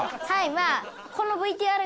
まあ。